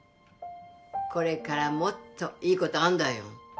これからもっといいことあんだよ